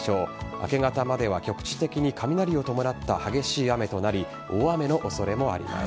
明け方までは局地的に雷を伴った激しい雨となり大雨の恐れもあります。